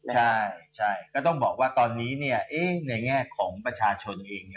ใช่ก็ต้องบอกว่าตอนนี้ในแง่ของประชาชนเอง